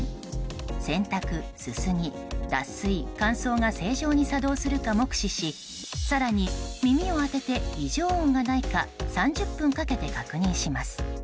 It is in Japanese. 洗濯、すすぎ、脱水、乾燥が正常に作動するか目視し更に、耳を当てて異常音がないか３０分かけて確認します。